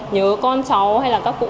nhớ con cháu hay là các cụ